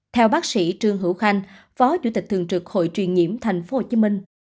theo bác sĩ trương hữu khanh phó chủ tịch thường trực hội truyền nhiễm tp hcm